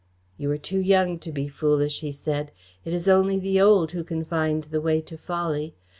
"You were too young to be foolish," he said. "It is only the old who can find the way to folly.